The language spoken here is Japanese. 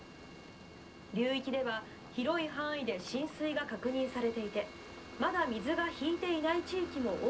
流域では広い範囲で浸水が確認されていてまだ水がひいていない地域も多くあります。